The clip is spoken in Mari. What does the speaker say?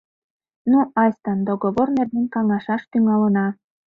Ну, айста договор нерген каҥашаш тӱҥалына!